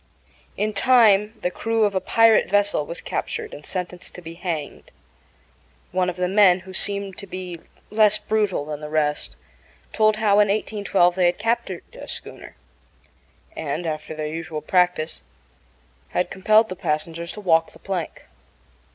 In time the crew of a pirate vessel was captured and sentenced to be hanged. One of the men, who seemed to be less brutal than the rest, told how, in 1812, they had captured a schooner, and, after their usual practice, had compelled the passengers to walk the plank.